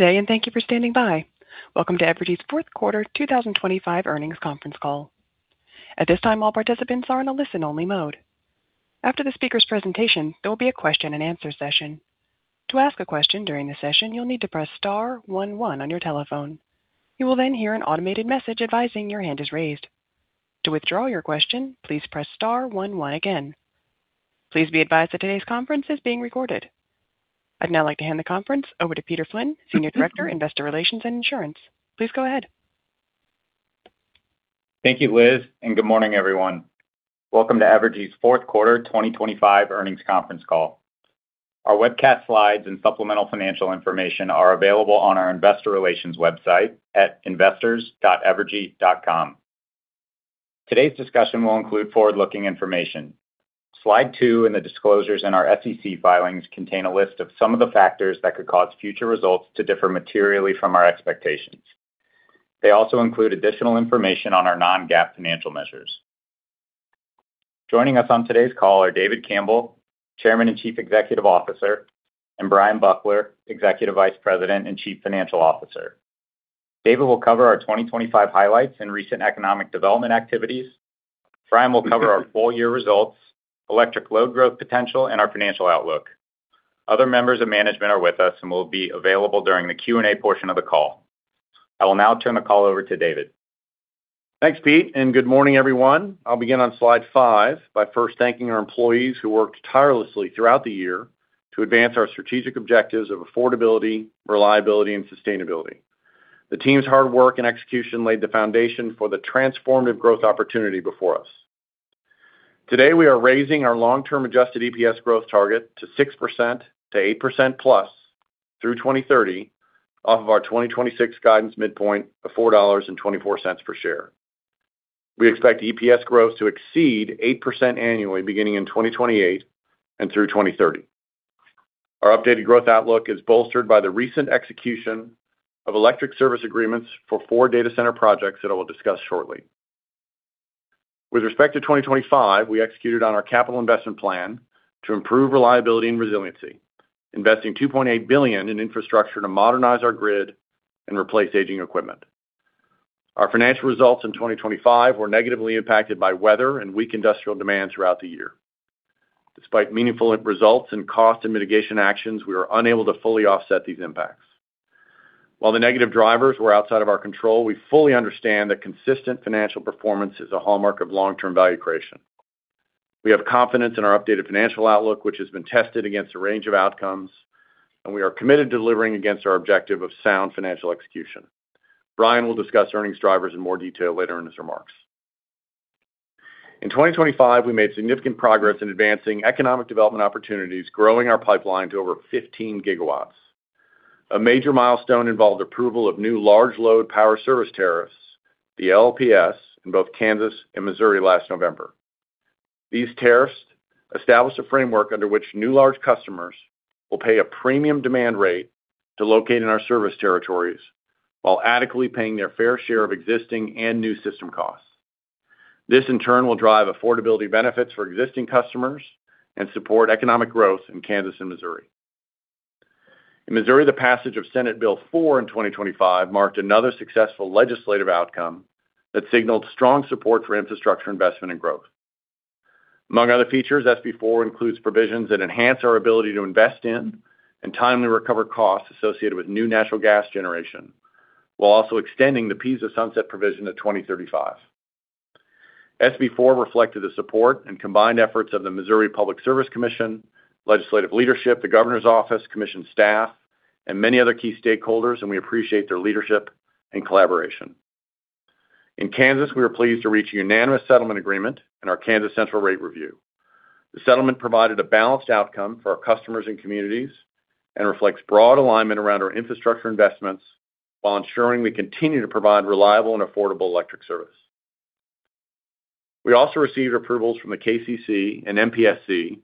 Good day, and thank you for standing by. Welcome to Evergy's Fourth Quarter 2025 Earnings Conference Call. At this time, all participants are in a listen-only mode. After the speaker's presentation, there will be a question-and-answer session. To ask a question during the session, you'll need to press star one one on your telephone. You will then hear an automated message advising your hand is raised. To withdraw your question, please press star one one again. Please be advised that today's conference is being recorded. I'd now like to hand the conference over to Peter Flynn, Senior Director, Investor Relations and Insurance. Please go ahead. Thank you, Liz, and good morning, everyone. Welcome to Evergy's Fourth Quarter 2025 Earnings Conference Call. Our webcast slides and supplemental financial information are available on our investor relations website at investors.evergy.com. Today's discussion will include forward-looking information. Slide 2 in the disclosures in our SEC filings contain a list of some of the factors that could cause future results to differ materially from our expectations. They also include additional information on our non-GAAP financial measures. Joining us on today's call are David Campbell, Chairman and Chief Executive Officer, and Bryan Buckler, Executive Vice President and Chief Financial Officer. David will cover our 2025 highlights and recent economic development activities. Bryan will cover our full year results, electric load growth potential, and our financial outlook. Other members of management are with us and will be available during the Q&A portion of the call. I will now turn the call over to David. Thanks, Pete, and good morning, everyone. I'll begin on Slide 5 by first thanking our employees who worked tirelessly throughout the year to advance our strategic objectives of affordability, reliability, and sustainability. The team's hard work and execution laid the foundation for the transformative growth opportunity before us. Today, we are raising our long-term adjusted EPS growth target to 6%-8%+ through 2030, off of our 2026 guidance midpoint of $4.24 per share. We expect EPS growth to exceed 8% annually beginning in 2028 and through 2030. Our updated growth outlook is bolstered by the recent execution of electric service agreements for 4 data center projects that I will discuss shortly. With respect to 2025, we executed on our capital investment plan to improve reliability and resiliency, investing $2.8 billion in infrastructure to modernize our grid and replace aging equipment. Our financial results in 2025 were negatively impacted by weather and weak industrial demand throughout the year. Despite meaningful results in cost and mitigation actions, we were unable to fully offset these impacts. While the negative drivers were outside of our control, we fully understand that consistent financial performance is a hallmark of long-term value creation. We have confidence in our updated financial outlook, which has been tested against a range of outcomes, and we are committed to delivering against our objective of sound financial execution. Brian will discuss earnings drivers in more detail later in his remarks. In 2025, we made significant progress in advancing economic development opportunities, growing our pipeline to over 15 GW. A major milestone involved approval of new large load power service tariffs, the LLPS, in both Kansas and Missouri last November. These tariffs established a framework under which new large customers will pay a premium demand rate to locate in our service territories while adequately paying their fair share of existing and new system costs. This, in turn, will drive affordability benefits for existing customers and support economic growth in Kansas and Missouri. In Missouri, the passage of Senate Bill 4 in 2025 marked another successful legislative outcome that signaled strong support for infrastructure investment and growth. Among other features, SB 4 includes provisions that enhance our ability to invest in and timely recover costs associated with new natural gas generation, while also extending the PISA sunset provision to 2035. SB 4 reflected the support and combined efforts of the Missouri Public Service Commission, legislative leadership, the governor's office, commission staff, and many other key stakeholders, and we appreciate their leadership and collaboration. In Kansas, we are pleased to reach a unanimous settlement agreement in our Kansas Central Rate Review. The settlement provided a balanced outcome for our customers and communities and reflects broad alignment around our infrastructure investments while ensuring we continue to provide reliable and affordable electric service. We also received approvals from the KCC and MPSC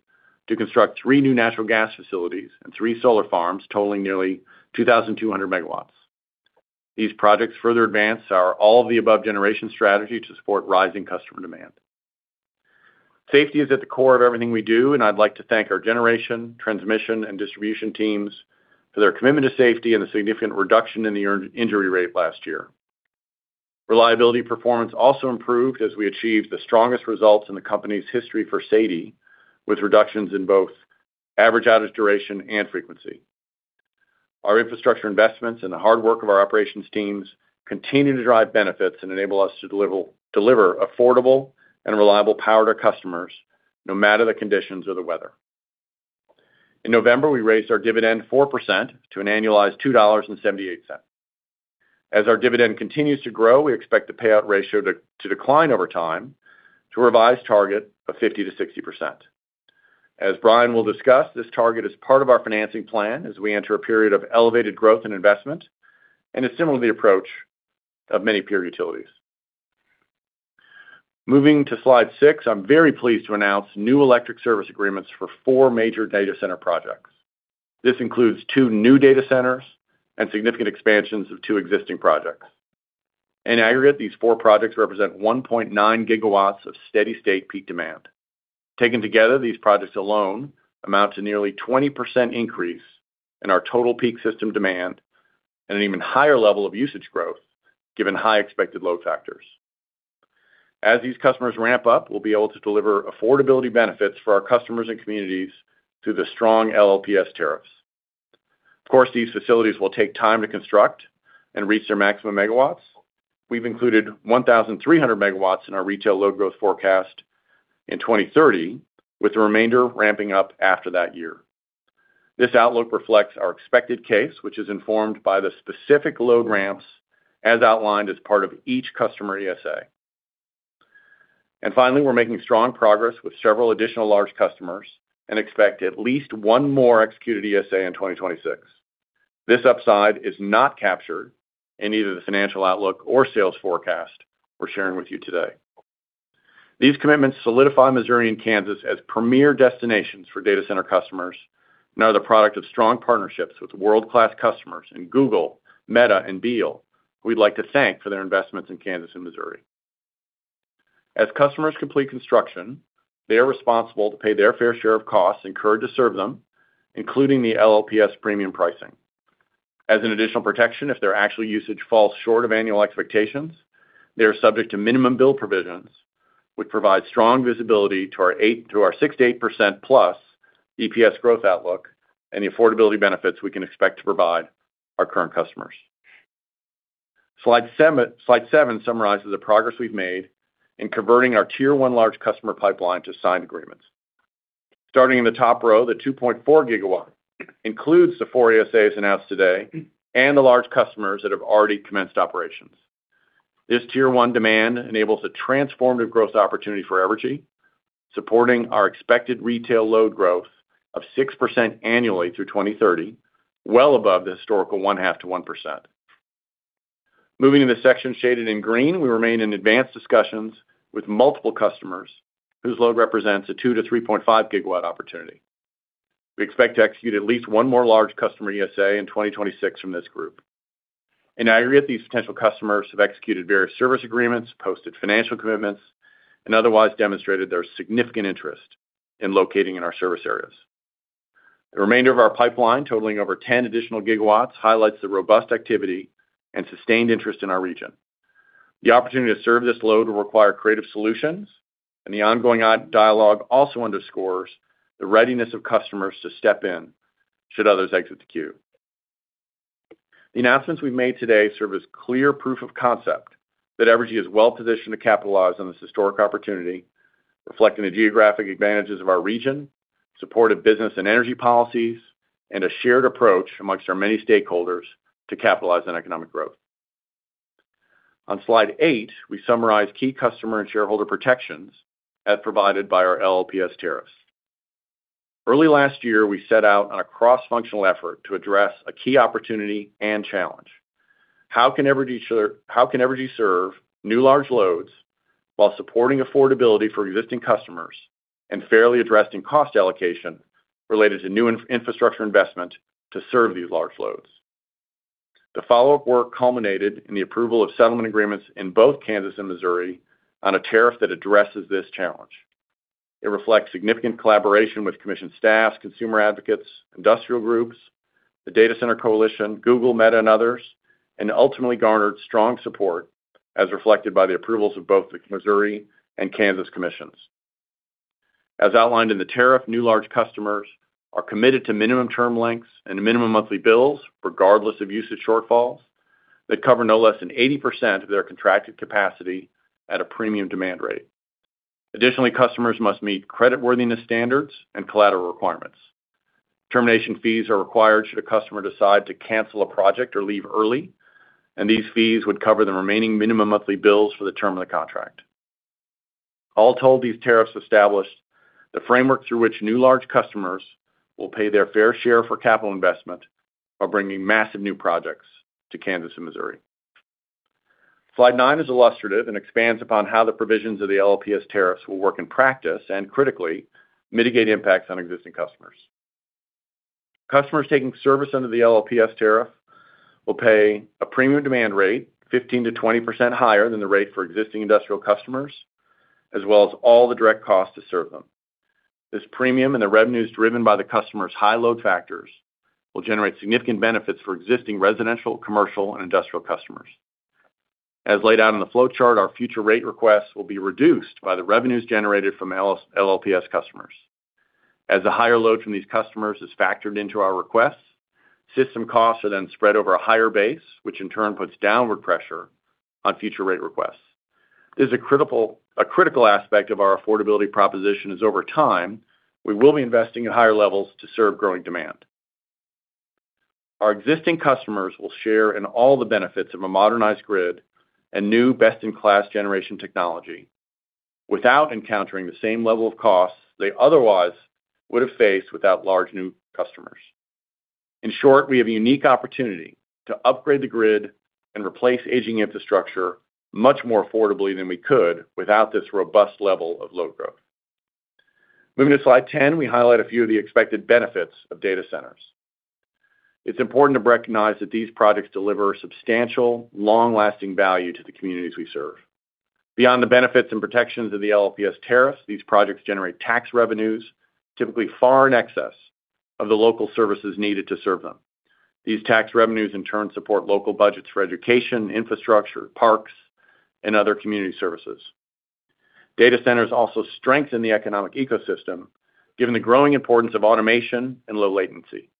to construct three new natural gas facilities and three solar farms totaling nearly 2,200 MW. These projects further advance our all-of-the-above generation strategy to support rising customer demand. Safety is at the core of everything we do, and I'd like to thank our generation, transmission, and distribution teams for their commitment to safety and the significant reduction in the injury rate last year. Reliability performance also improved as we achieved the strongest results in the company's history for SAIDI, with reductions in both average outage duration and frequency. Our infrastructure investments and the hard work of our operations teams continue to drive benefits and enable us to deliver, deliver affordable and reliable power to customers, no matter the conditions or the weather. In November, we raised our dividend 4% to an annualized $2.78. As our dividend continues to grow, we expect the payout ratio to, to decline over time to a revised target of 50%-60%. As Brian will discuss, this target is part of our financing plan as we enter a period of elevated growth and investment, and is similar to the approach of many peer utilities. Moving to Slide 6, I'm very pleased to announce new electric service agreements for four major data center projects. This includes two new data centers and significant expansions of two existing projects. In aggregate, these four projects represent 1.9 GW of steady-state peak demand. Taken together, these projects alone amount to nearly 20% increase in our total peak system demand and an even higher level of usage growth, given high expected load factors. As these customers ramp up, we'll be able to deliver affordability benefits for our customers and communities through the strong LLPS tariffs. Of course, these facilities will take time to construct and reach their maximum megawatts. We've included 1,300 MW in our retail load growth forecast in 2030, with the remainder ramping up after that year. This outlook reflects our expected case, which is informed by the specific load ramps as outlined as part of each customer ESA. And finally, we're making strong progress with several additional large customers and expect at least one more executed ESA in 2026. This upside is not captured in either the financial outlook or sales forecast we're sharing with you today. These commitments solidify Missouri and Kansas as premier destinations for data center customers and are the product of strong partnerships with world-class customers in Google, Meta, and Beale, who we'd like to thank for their investments in Kansas and Missouri. As customers complete construction, they are responsible to pay their fair share of costs incurred to serve them, including the LLPS premium pricing. As an additional protection, if their actual usage falls short of annual expectations, they are subject to minimum bill provisions, which provide strong visibility to our 8%-68%+ EPS growth outlook and the affordability benefits we can expect to provide our current customers. Slide 7 summarizes the progress we've made in converting our tier one large customer pipeline to signed agreements. Starting in the top row, the 2.4 GW includes the 4 ESAs announced today and the large customers that have already commenced operations. This tier one demand enables a transformative growth opportunity for Evergy, supporting our expected retail load growth of 6% annually through 2030, well above the historical 0.5%-1%. Moving to the section shaded in green, we remain in advanced discussions with multiple customers whose load represents a 2-3.5 GW opportunity. We expect to execute at least one more large customer ESA in 2026 from this group. In aggregate, these potential customers have executed various service agreements, posted financial commitments, and otherwise demonstrated their significant interest in locating in our service areas. The remainder of our pipeline, totaling over 10 additional GW, highlights the robust activity and sustained interest in our region. The opportunity to serve this load will require creative solutions, and the ongoing odd dialogue also underscores the readiness of customers to step in should others exit the queue. The announcements we've made today serve as clear proof of concept that Evergy is well-positioned to capitalize on this historic opportunity, reflecting the geographic advantages of our region, supportive business and energy policies, and a shared approach amongst our many stakeholders to capitalize on economic growth. On Slide 8, we summarize key customer and shareholder protections as provided by our LLPS tariffs. Early last year, we set out on a cross-functional effort to address a key opportunity and challenge. How can Evergy serve new large loads while supporting affordability for existing customers and fairly addressing cost allocation related to new infrastructure investment to serve these large loads? The follow-up work culminated in the approval of settlement agreements in both Kansas and Missouri on a tariff that addresses this challenge. It reflects significant collaboration with commission staffs, consumer advocates, industrial groups, the data center coalition, Google, Meta, and others, and ultimately garnered strong support, as reflected by the approvals of both the Missouri and Kansas commissions. As outlined in the tariff, new large customers are committed to minimum term lengths and minimum monthly bills, regardless of usage shortfalls, that cover no less than 80% of their contracted capacity at a premium demand rate. Additionally, customers must meet creditworthiness standards and collateral requirements. Termination fees are required should a customer decide to cancel a project or leave early, and these fees would cover the remaining minimum monthly bills for the term of the contract. All told, these tariffs established the framework through which new large customers will pay their fair share for capital investment while bringing massive new projects to Kansas and Missouri. Slide 9 is illustrative and expands upon how the provisions of the LLPS tariffs will work in practice and critically mitigate impacts on existing customers. Customers taking service under the LLPS tariff will pay a premium demand rate 15%-20% higher than the rate for existing industrial customers, as well as all the direct costs to serve them. This premium and the revenues driven by the customer's high load factors will generate significant benefits for existing residential, commercial, and industrial customers. As laid out in the flowchart, our future rate requests will be reduced by the revenues generated from LLPS customers. As the higher load from these customers is factored into our requests, system costs are then spread over a higher base, which in turn puts downward pressure on future rate requests. This is a critical aspect of our affordability proposition. Is, over time, we will be investing at higher levels to serve growing demand. Our existing customers will share in all the benefits of a modernized grid and new best-in-class generation technology without encountering the same level of costs they otherwise would have faced without large new customers. In short, we have a unique opportunity to upgrade the grid and replace aging infrastructure much more affordably than we could without this robust level of load growth... Moving to Slide 10, we highlight a few of the expected benefits of data centers. It's important to recognize that these projects deliver substantial, long-lasting value to the communities we serve. Beyond the benefits and protections of the LLPS tariffs, these projects generate tax revenues, typically far in excess of the local services needed to serve them. These tax revenues, in turn, support local budgets for education, infrastructure, parks, and other community services. Data centers also strengthen the economic ecosystem, given the growing importance of automation and low latency.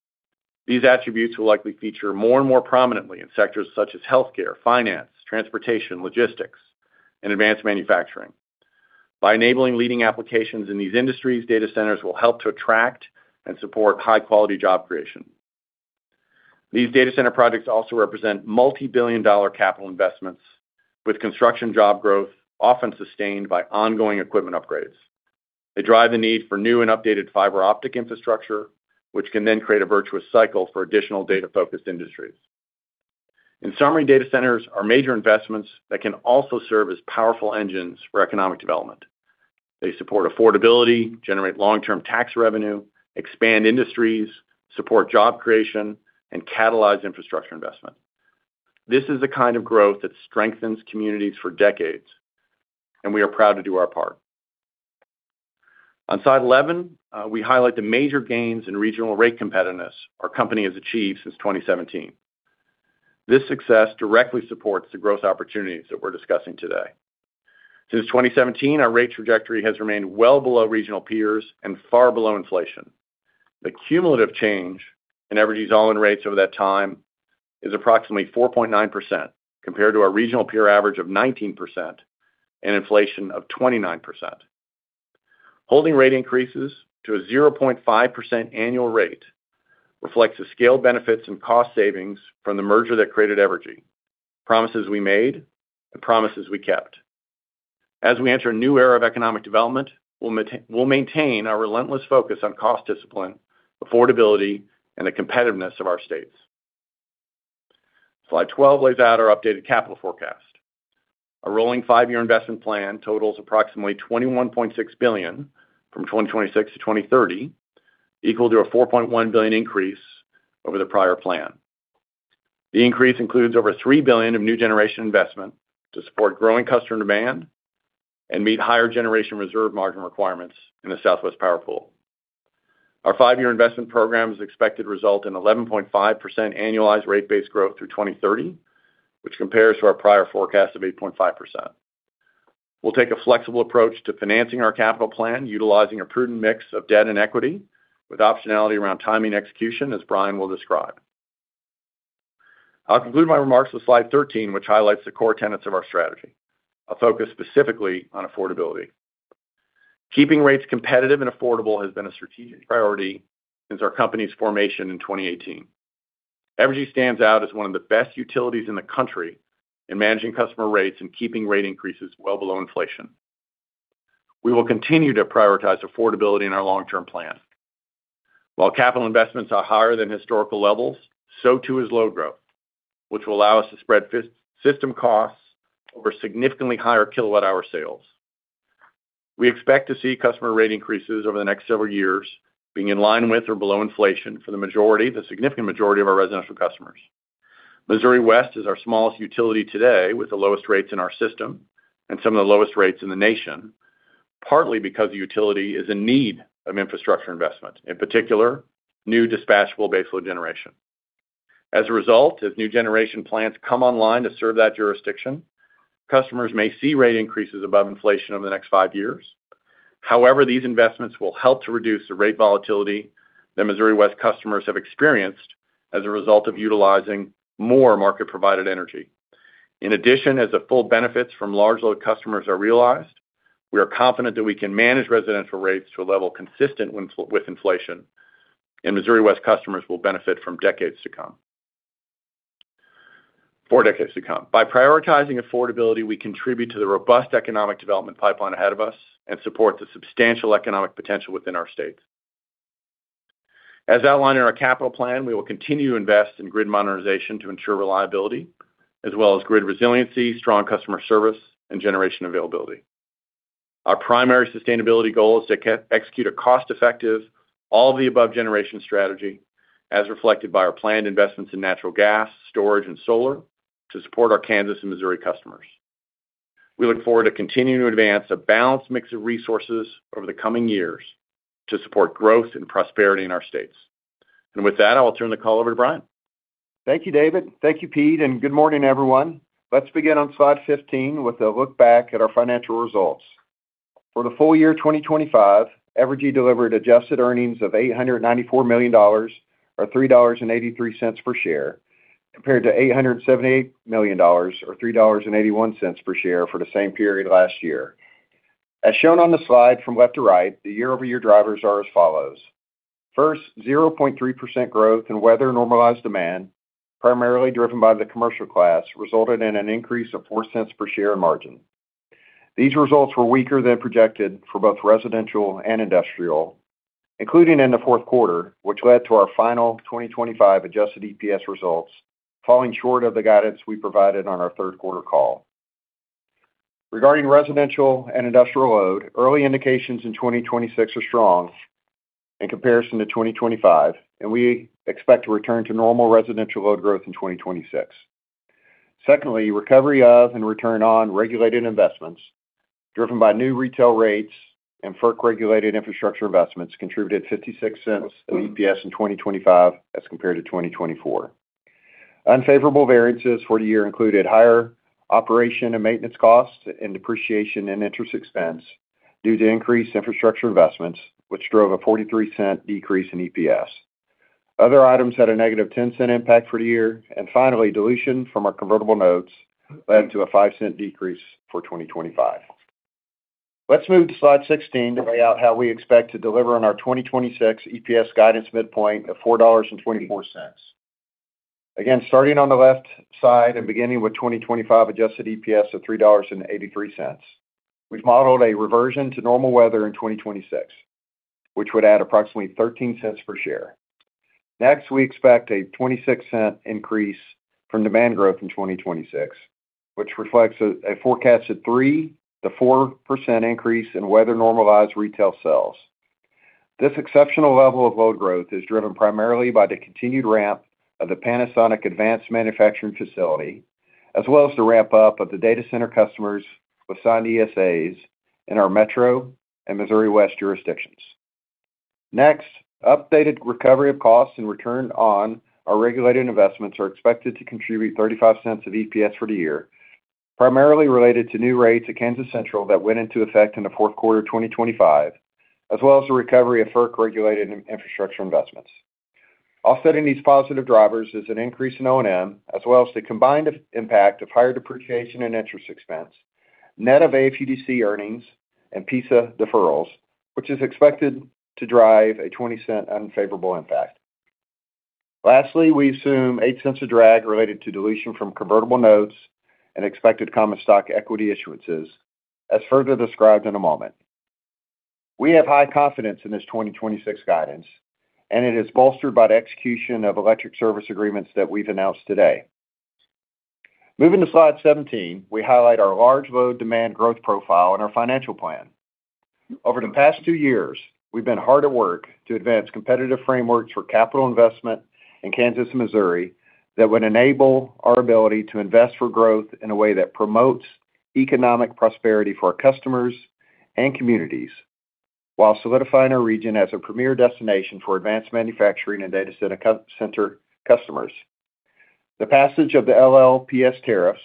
These attributes will likely feature more and more prominently in sectors such as healthcare, finance, transportation, logistics, and advanced manufacturing. By enabling leading applications in these industries, data centers will help to attract and support high-quality job creation. These data center projects also represent multi-billion-dollar capital investments, with construction job growth often sustained by ongoing equipment upgrades. They drive the need for new and updated fiber optic infrastructure, which can then create a virtuous cycle for additional data-focused industries. In summary, data centers are major investments that can also serve as powerful engines for economic development. They support affordability, generate long-term tax revenue, expand industries, support job creation, and catalyze infrastructure investment. This is the kind of growth that strengthens communities for decades, and we are proud to do our part. On Slide 11, we highlight the major gains in regional rate competitiveness our company has achieved since 2017. This success directly supports the growth opportunities that we're discussing today. Since 2017, our rate trajectory has remained well below regional peers and far below inflation. The cumulative change in Evergy's all-in rates over that time is approximately 4.9%, compared to our regional peer average of 19% and inflation of 29%. Holding rate increases to a 0.5% annual rate reflects the scale benefits and cost savings from the merger that created Evergy. Promises we made, and promises we kept. As we enter a new era of economic development, we'll maintain our relentless focus on cost discipline, affordability, and the competitiveness of our states. Slide 12 lays out our updated capital forecast. A rolling five-year investment plan totals approximately $21.6 billion from 2026-2030, equal to a $4.1 billion increase over the prior plan. The increase includes over $3 billion of new generation investment to support growing customer demand and meet higher generation reserve margin requirements in the Southwest Power Pool. Our five-year investment program is expected to result in 11.5% annualized rate base growth through 2030, which compares to our prior forecast of 8.5%. We'll take a flexible approach to financing our capital plan, utilizing a prudent mix of debt and equity, with optionality around timing execution, as Bryan will describe. I'll conclude my remarks with Slide 13, which highlights the core tenets of our strategy. I'll focus specifically on affordability. Keeping rates competitive and affordable has been a strategic priority since our company's formation in 2018. Evergy stands out as one of the best utilities in the country in managing customer rates and keeping rate increases well below inflation. We will continue to prioritize affordability in our long-term plan. While capital investments are higher than historical levels, so too is load growth, which will allow us to spread system costs over significantly higher kilowatt-hour sales. We expect to see customer rate increases over the next several years being in line with or below inflation for the majority, the significant majority of our residential customers. Missouri West is our smallest utility today, with the lowest rates in our system and some of the lowest rates in the nation, partly because the utility is in need of infrastructure investment, in particular, new dispatchable baseload generation. As a result, as new generation plants come online to serve that jurisdiction, customers may see rate increases above inflation over the next five years. However, these investments will help to reduce the rate volatility that Missouri West customers have experienced as a result of utilizing more market-provided energy. In addition, as the full benefits from large load customers are realized, we are confident that we can manage residential rates to a level consistent with, with inflation, and Missouri West customers will benefit from decades to come. For decades to come. By prioritizing affordability, we contribute to the robust economic development pipeline ahead of us and support the substantial economic potential within our states. As outlined in our capital plan, we will continue to invest in grid modernization to ensure reliability, as well as grid resiliency, strong customer service, and generation availability. Our primary sustainability goal is to execute a cost-effective, all-of-the-above generation strategy, as reflected by our planned investments in natural gas, storage, and solar to support our Kansas and Missouri customers. We look forward to continuing to advance a balanced mix of resources over the coming years to support growth and prosperity in our states. With that, I'll turn the call over to Bryan. Thank you, David. Thank you, Pete, and good morning, everyone. Let's begin on Slide 15 with a look back at our financial results. For the full year 2025, Evergy delivered adjusted earnings of $894 million, or $3.83 per share, compared to $878 million, or $3.81 per share for the same period last year. As shown on the slide from left to right, the year-over-year drivers are as follows: First, 0.3% growth in weather-normalized demand, primarily driven by the commercial class, resulted in an increase of $0.04 per share in margin. These results were weaker than projected for both residential and industrial, including in the fourth quarter, which led to our final 2025 adjusted EPS results falling short of the guidance we provided on our third quarter call.... Regarding residential and industrial load, early indications in 2026 are strong in comparison to 2025, and we expect to return to normal residential load growth in 2026. Secondly, recovery of and return on regulated investments, driven by new retail rates and FERC-regulated infrastructure investments, contributed $0.56 of EPS in 2025 as compared to 2024. Unfavorable variances for the year included higher operation and maintenance costs and depreciation and interest expense due to increased infrastructure investments, which drove a $0.43 decrease in EPS. Other items had a negative $0.10 impact for the year. And finally, dilution from our convertible notes led to a $0.05 decrease for 2025. Let's move to Slide 16 to lay out how we expect to deliver on our 2026 EPS guidance midpoint of $4.24. Again, starting on the left side and beginning with 2025 adjusted EPS of $3.83, we've modeled a reversion to normal weather in 2026, which would add approximately $0.13 per share. Next, we expect a 26-cent increase from demand growth in 2026, which reflects a forecasted 3%-4% increase in weather-normalized retail sales. This exceptional level of load growth is driven primarily by the continued ramp of the Panasonic advanced manufacturing facility, as well as the ramp-up of the data center customers with signed ESAs in our Metro and Missouri West jurisdictions. Next, updated recovery of costs and return on our regulated investments are expected to contribute $0.35 of EPS for the year, primarily related to new rates at Kansas Central that went into effect in the fourth quarter of 2025, as well as the recovery of FERC-regulated infrastructure investments. Offsetting these positive drivers is an increase in O&M, as well as the combined impact of higher depreciation and interest expense, net of AFUDC earnings and PISA deferrals, which is expected to drive a $0.20 unfavorable impact. Lastly, we assume $0.08 of drag related to dilution from convertible notes and expected common stock equity issuances, as further described in a moment. We have high confidence in this 2026 guidance, and it is bolstered by the execution of electric service agreements that we've announced today. Moving to Slide 17, we highlight our large load demand growth profile and our financial plan. Over the past two years, we've been hard at work to advance competitive frameworks for capital investment in Kansas and Missouri that would enable our ability to invest for growth in a way that promotes economic prosperity for our customers and communities, while solidifying our region as a premier destination for advanced manufacturing and data center customers. The passage of the LLPS tariffs,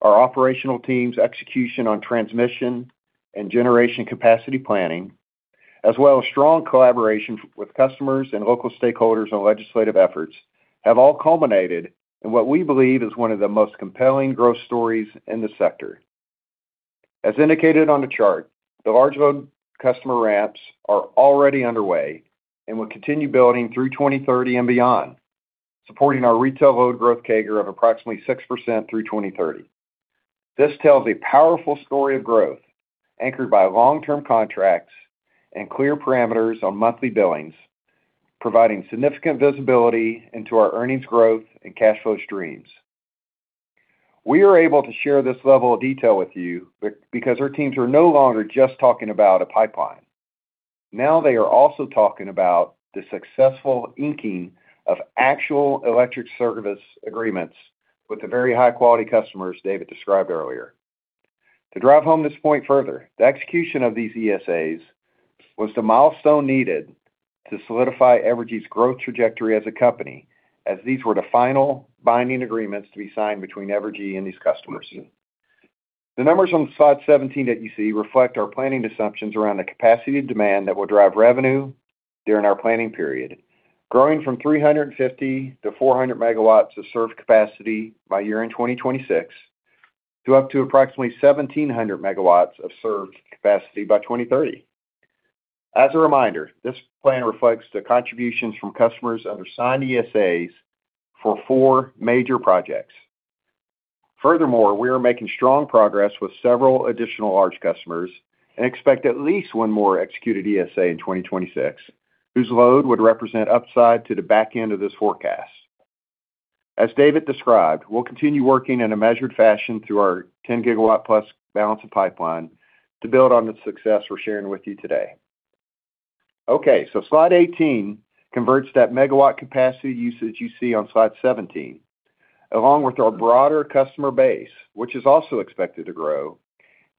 our operational teams' execution on transmission and generation capacity planning, as well as strong collaboration with customers and local stakeholders on legislative efforts, have all culminated in what we believe is one of the most compelling growth stories in the sector. As indicated on the chart, the large load customer ramps are already underway and will continue building through 2030 and beyond, supporting our retail load growth CAGR of approximately 6% through 2030. This tells a powerful story of growth, anchored by long-term contracts and clear parameters on monthly billings, providing significant visibility into our earnings growth and cash flow streams. We are able to share this level of detail with you because our teams are no longer just talking about a pipeline. Now, they are also talking about the successful inking of actual electric service agreements with the very high-quality customers David described earlier. To drive home this point further, the execution of these ESAs was the milestone needed to solidify Evergy's growth trajectory as a company, as these were the final binding agreements to be signed between Evergy and these customers. The numbers on Slide 17 that you see reflect our planning assumptions around the capacity demand that will drive revenue during our planning period, growing from 350-400 MW of served capacity by year-end 2026 to up to approximately 1,700 MW of served capacity by 2030. As a reminder, this plan reflects the contributions from customers under signed ESAs for four major projects. Furthermore, we are making strong progress with several additional large customers and expect at least one more executed ESA in 2026, whose load would represent upside to the back end of this forecast. As David described, we'll continue working in a measured fashion through our 10 GW-plus balance of pipeline to build on the success we're sharing with you today. Okay, so Slide 18 converts that megawatt capacity usage you see on Slide 17, along with our broader customer base, which is also expected to grow,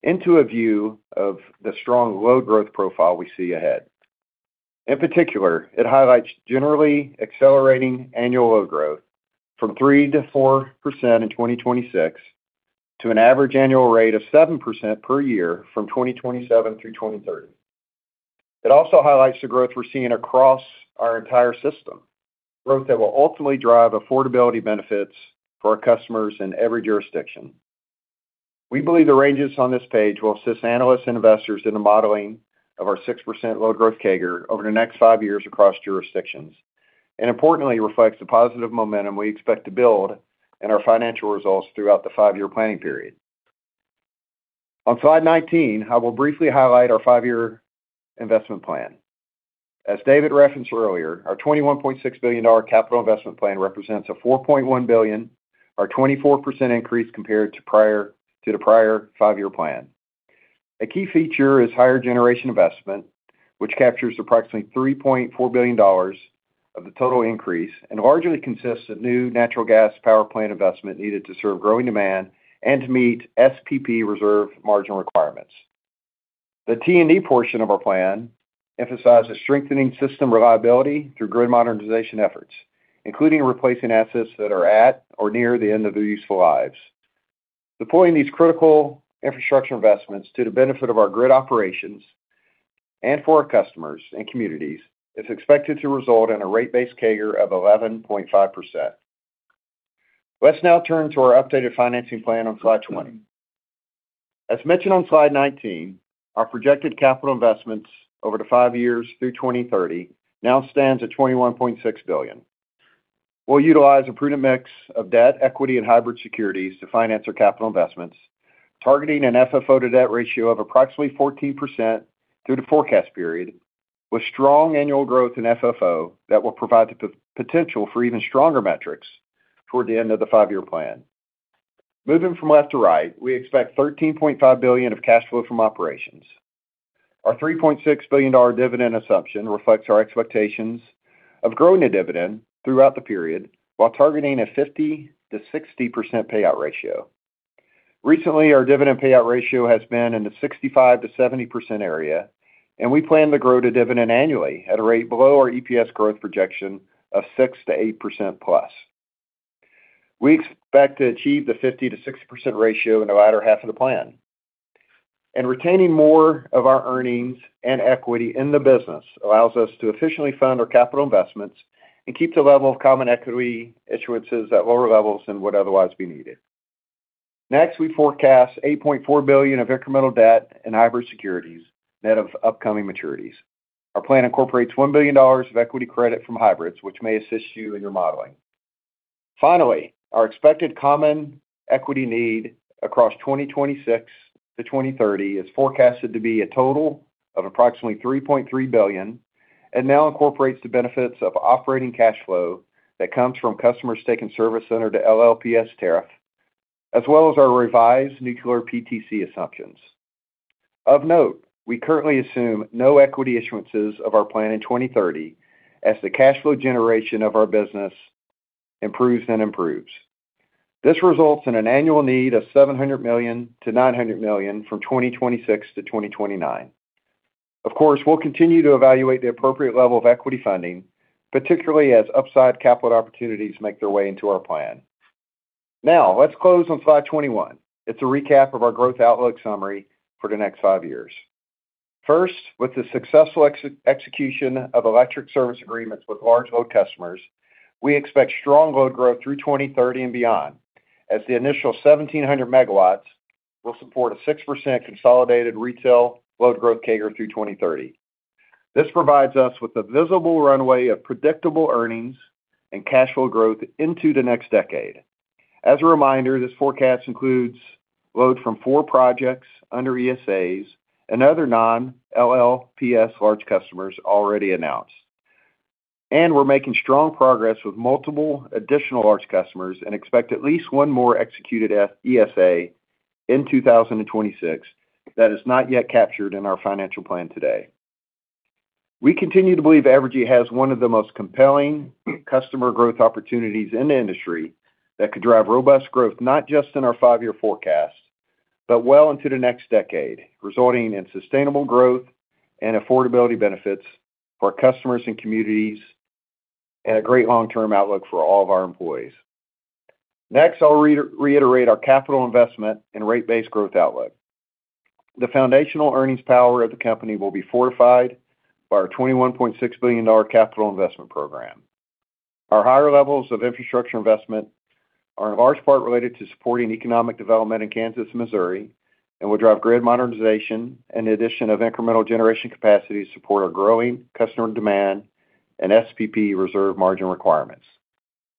into a view of the strong load growth profile we see ahead. In particular, it highlights generally accelerating annual load growth from 3%-4% in 2026 to an average annual rate of 7% per year from 2027 through 2030. It also highlights the growth we're seeing across our entire system, growth that will ultimately drive affordability benefits for our customers in every jurisdiction. We believe the ranges on this page will assist analysts and investors in the modeling of our 6% load growth CAGR over the next five years across jurisdictions, and importantly, reflects the positive momentum we expect to build in our financial results throughout the five-year planning period. On Slide 19, I will briefly highlight our 5-year investment plan. As David referenced earlier, our $21.6 billion capital investment plan represents a $4.1 billion, or 24% increase compared to the prior 5-year plan. A key feature is higher generation investment, which captures approximately $3.4 billion of the total increase and largely consists of new natural gas power plant investment needed to serve growing demand and to meet SPP reserve margin requirements. The T&D portion of our plan emphasizes strengthening system reliability through grid modernization efforts, including replacing assets that are at or near the end of their useful lives. Deploying these critical infrastructure investments to the benefit of our grid operations and for our customers and communities, is expected to result in a rate base CAGR of 11.5%. Let's now turn to our updated financing plan on Slide 20. As mentioned on Slide 19, our projected capital investments over the five years through 2030 now stands at $21.6 billion. We'll utilize a prudent mix of debt, equity, and hybrid securities to finance our capital investments, targeting an FFO to debt ratio of approximately 14% through the forecast period, with strong annual growth in FFO that will provide the potential for even stronger metrics toward the end of the five-year plan. Moving from left to right, we expect $13.5 billion of cash flow from operations. Our $3.6 billion dividend assumption reflects our expectations of growing the dividend throughout the period, while targeting a 50%-60% payout ratio. Recently, our dividend payout ratio has been in the 65%-70% area, and we plan to grow the dividend annually at a rate below our EPS growth projection of 6%-8%+. We expect to achieve the 50%-60% ratio in the latter half of the plan. Retaining more of our earnings and equity in the business allows us to efficiently fund our capital investments and keep the level of common equity issuances at lower levels than would otherwise be needed. Next, we forecast $8.4 billion of incremental debt and hybrid securities, net of upcoming maturities. Our plan incorporates $1 billion of equity credit from hybrids, which may assist you in your modeling. Finally, our expected common equity need across 2026-2030 is forecasted to be a total of approximately $3.3 billion, and now incorporates the benefits of operating cash flow that comes from customers taking service center to LLPS tariff, as well as our revised nuclear PTC assumptions. Of note, we currently assume no equity issuances of our plan in 2030 as the cash flow generation of our business improves and improves. This results in an annual need of $700 million-$900 million from 2026-2029. Of course, we'll continue to evaluate the appropriate level of equity funding, particularly as upside capital opportunities make their way into our plan. Now, let's close on Slide 21. It's a recap of our growth outlook summary for the next five years. First, with the successful execution of electric service agreements with large load customers, we expect strong load growth through 2030 and beyond, as the initial 1,700 MW will support a 6% consolidated retail load growth CAGR through 2030. This provides us with a visible runway of predictable earnings and cash flow growth into the next decade. As a reminder, this forecast includes load from four projects under ESAs and other non-LLPS large customers already announced. We're making strong progress with multiple additional large customers and expect at least one more executed ESA in 2026 that is not yet captured in our financial plan today. We continue to believe Evergy has one of the most compelling customer growth opportunities in the industry that could drive robust growth, not just in our five-year forecast, but well into the next decade, resulting in sustainable growth and affordability benefits for our customers and communities, and a great long-term outlook for all of our employees. Next, I'll reiterate our capital investment and rate base growth outlook. The foundational earnings power of the company will be fortified by our $21.6 billion capital investment program. Our higher levels of infrastructure investment are in large part related to supporting economic development in Kansas and Missouri, and will drive grid modernization and addition of incremental generation capacity to support our growing customer demand and SPP reserve margin requirements.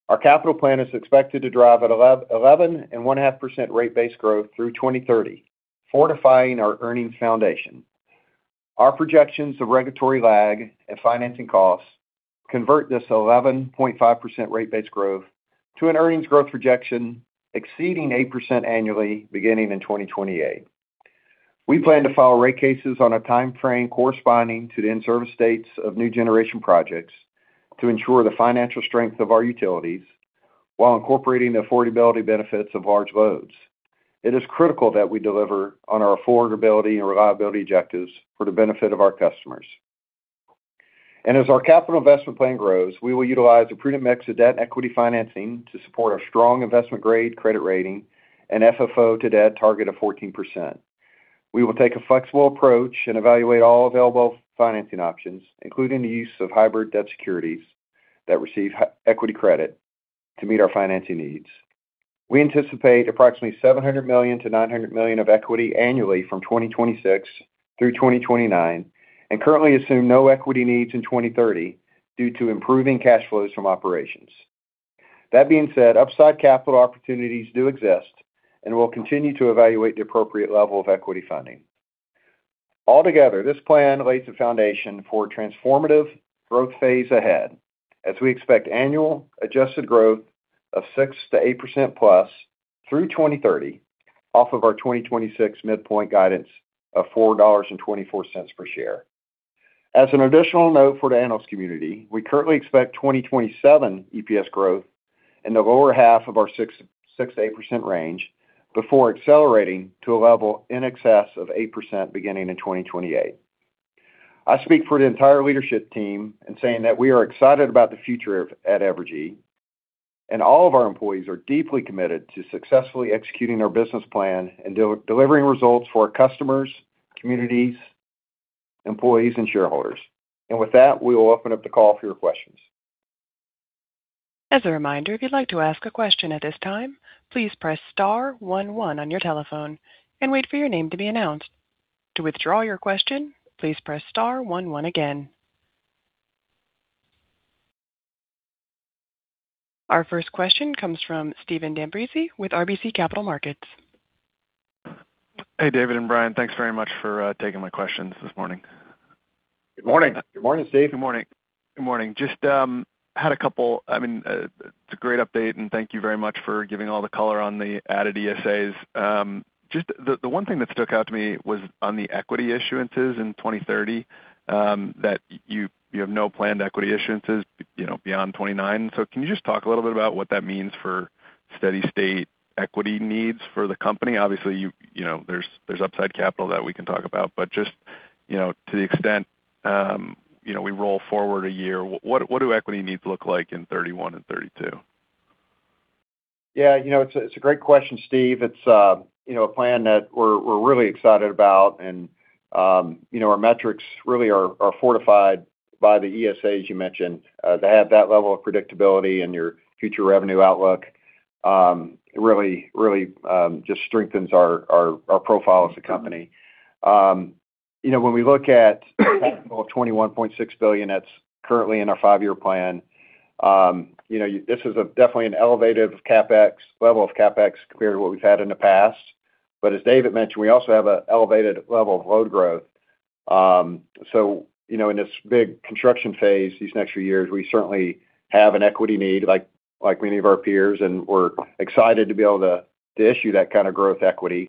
Our capital plan is expected to drive 11.5% rate base growth through 2030, fortifying our earnings foundation. Our projections of regulatory lag and financing costs convert this 11.5% rate base growth to an earnings growth projection exceeding 8% annually, beginning in 2028. We plan to file rate cases on a timeframe corresponding to the in-service dates of new generation projects to ensure the financial strength of our utilities while incorporating the affordability benefits of large loads. It is critical that we deliver on our affordability and reliability objectives for the benefit of our customers. As our capital investment plan grows, we will utilize a prudent mix of debt and equity financing to support our strong investment grade credit rating and FFO to debt target of 14%. We will take a flexible approach and evaluate all available financing options, including the use of hybrid debt securities that receive equity credit to meet our financing needs. We anticipate approximately $700 million-$900 million of equity annually from 2026 through 2029, and currently assume no equity needs in 2030 due to improving cash flows from operations.... That being said, upside capital opportunities do exist, and we'll continue to evaluate the appropriate level of equity funding. Altogether, this plan lays the foundation for a transformative growth phase ahead, as we expect annual adjusted growth of 6%-8%+ through 2030, off of our 2026 midpoint guidance of $4.24 per share. As an additional note for the analyst community, we currently expect 2027 EPS growth in the lower half of our 6%-8% range before accelerating to a level in excess of 8% beginning in 2028. I speak for the entire leadership team in saying that we are excited about the future at Evergy, and all of our employees are deeply committed to successfully executing our business plan and delivering results for our customers, communities, employees, and shareholders. With that, we will open up the call for your questions. As a reminder, if you'd like to ask a question at this time, please press star one one on your telephone and wait for your name to be announced. To withdraw your question, please press star one one again. Our first question comes from Steven D’Ambrisi with RBC Capital Markets. Hey, David and Bryan, thanks very much for taking my questions this morning. Good morning. Good morning, Steve. Good morning. Good morning. Just, had a couple-- I mean, it's a great update, and thank you very much for giving all the color on the added ESAs. Just the, the one thing that stuck out to me was on the equity issuances in 2030, that you, you have no planned equity issuances, you know, beyond 2029. So can you just talk a little bit about what that means for steady-state equity needs for the company? Obviously, you, you know, there's, there's upside capital that we can talk about, but just, you know, to the extent, you know, we roll forward a year, what, what do equity needs look like in 2031 and 2032? Yeah, you know, it's a, it's a great question, Steve. It's, you know, a plan that we're, we're really excited about, and, you know, our metrics really are, are fortified by the ESA, as you mentioned. To have that level of predictability in your future revenue outlook, really, really, just strengthens our, our, our profile as a company. You know, when we look at $21.6 billion, that's currently in our five-year plan, you know, this is definitely an elevated CapEx, level of CapEx compared to what we've had in the past. But as David mentioned, we also have an elevated level of load growth. So you know, in this big construction phase, these next few years, we certainly have an equity need, like, like many of our peers, and we're excited to be able to, to issue that kind of growth equity.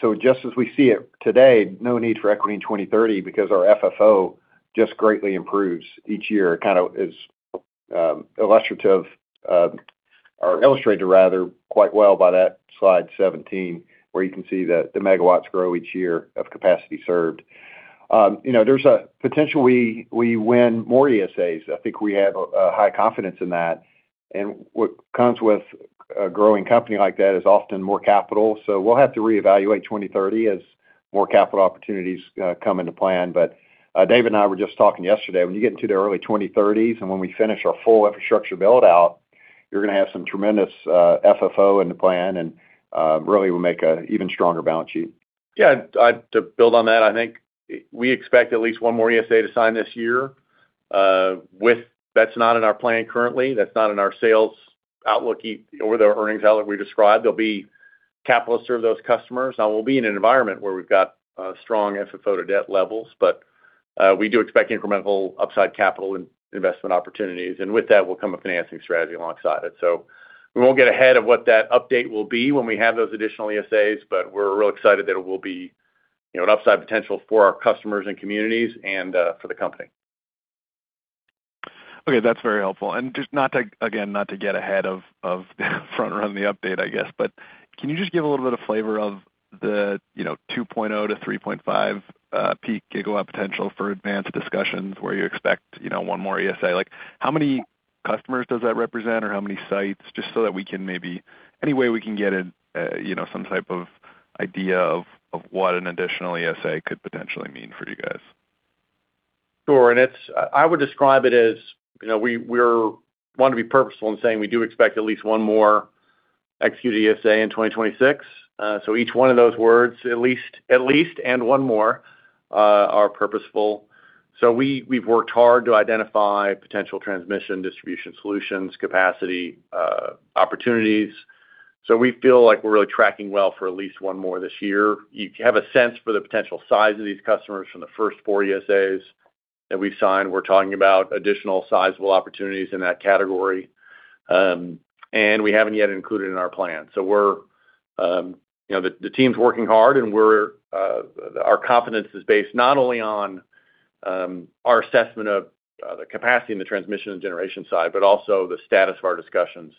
So just as we see it today, no need for equity in 2030 because our FFO just greatly improves each year. Kind of is, illustrative, or illustrated rather, quite well by that Slide 17, where you can see that the megawatts grow each year of capacity served. You know, there's a potential we, we win more ESAs. I think we have a, a high confidence in that, and what comes with a growing company like that is often more capital, so we'll have to reevaluate 2030 as more capital opportunities come into plan. But, David and I were just talking yesterday, when you get into the early 2030s, and when we finish our full infrastructure build-out, you're going to have some tremendous, FFO in the plan and, really will make a even stronger balance sheet. Yeah, I'd to build on that, I think we expect at least one more ESA to sign this year, with... That's not in our plan currently, that's not in our sales outlook or the earnings outlook we described. There'll be capital to serve those customers. Now, we'll be in an environment where we've got strong FFO to debt levels, but we do expect incremental upside capital investment opportunities, and with that will come a financing strategy alongside it. So we won't get ahead of what that update will be when we have those additional ESAs, but we're really excited that it will be, you know, an upside potential for our customers and communities and for the company. Okay, that's very helpful. And just not to, again, not to get ahead of, of front run the update, I guess, but can you just give a little bit of flavor of the, you know, 2.0-3.5 peak GW potential for advanced discussions where you expect, you know, one more ESA? Like, how many customers does that represent or how many sites? Just so that we can maybe—any way we can get an, you know, some type of idea of, of what an additional ESA could potentially mean for you guys. Sure. I would describe it as, you know, we want to be purposeful in saying we do expect at least one more executed ESA in 2026. So each one of those words, at least, at least, and one more, are purposeful. So we've worked hard to identify potential transmission, distribution solutions, capacity opportunities. So we feel like we're really tracking well for at least one more this year. You have a sense for the potential size of these customers from the first four ESAs that we've signed. We're talking about additional sizable opportunities in that category, and we haven't yet included in our plan. So we're, you know, the team's working hard, and we're, our confidence is based not only on, our assessment of, the capacity and the transmission and generation side, but also the status of our discussions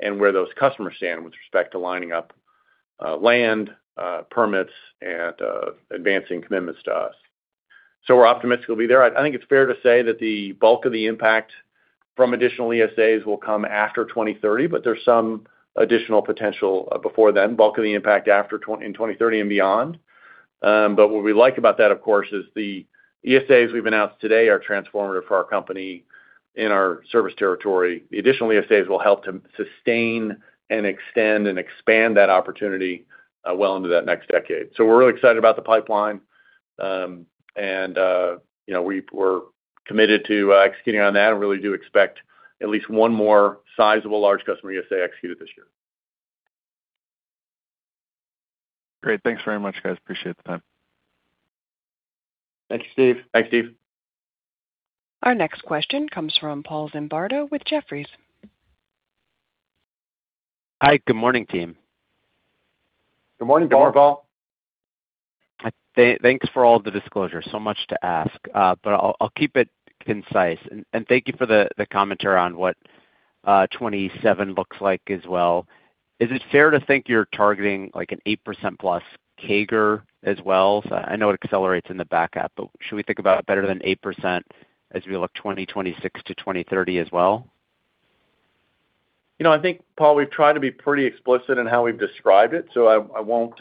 and where those customers stand with respect to lining up, land, permits, and, advancing commitments to us. So we're optimistic we'll be there. I think it's fair to say that the bulk of the impact from additional ESAs will come after 2030, but there's some additional potential, before then. Bulk of the impact after-- in 2030 and beyond. But what we like about that, of course, is the ESAs we've announced today are transformative for our company in our service territory. The additional ESAs will help to sustain and extend and expand that opportunity, well into that next decade. So we're really excited about the pipeline. And, you know, we're committed to executing on that and really do expect at least one more sizable large customer ESA executed this year.... Great. Thanks very much, guys. Appreciate the time. Thanks, Steve. Thanks, Steve. Our next question comes from Paul Zimbardo with Jefferies. Hi, good morning, team. Good morning, Paul. Good morning, Paul. Thanks for all the disclosure. So much to ask, but I'll keep it concise. Thank you for the commentary on what 2027 looks like as well. Is it fair to think you're targeting, like, an 8%+ CAGR as well? So I know it accelerates in the back half, but should we think about better than 8% as we look 2026-2030 as well? You know, I think, Paul, we've tried to be pretty explicit in how we've described it, so I, I won't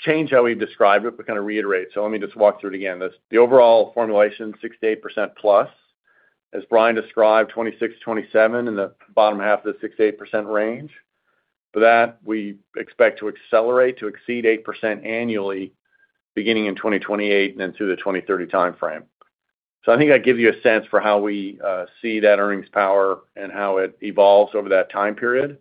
change how we've described it, but kind of reiterate. So let me just walk through it again. The overall formulation, 6%-8%+. As Bryan described, 26, 27 in the bottom half of the 6%-8% range. For that, we expect to accelerate, to exceed 8% annually, beginning in 2028 and then through the 2030 timeframe. So I think that gives you a sense for how we see that earnings power and how it evolves over that time period.